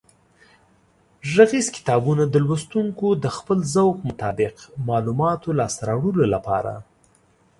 غږیز کتابونه د لوستونکو د خپل ذوق مطابق معلوماتو لاسته راوړلو لپاره